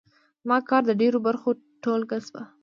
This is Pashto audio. زما کار د ډېرو برخو ټولګه شوه.